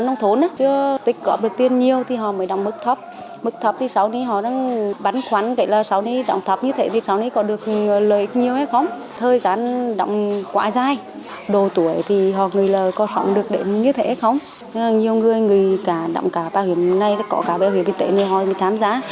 nhiều người đọng cả bảo hiểm này có cả bảo hiểm y tế nên họ bị tham gia